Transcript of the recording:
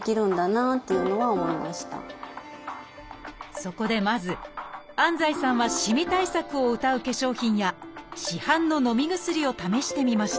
そこでまず安西さんはしみ対策をうたう化粧品や市販ののみ薬を試してみました。